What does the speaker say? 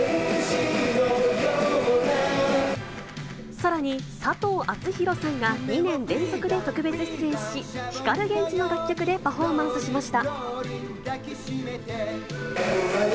さらに、佐藤アツヒロさんが２年連続で特別出演し、光ＧＥＮＪＩの楽曲でパフォーマンスしました。